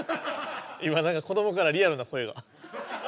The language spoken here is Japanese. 今なんか子どもからリアルな声が。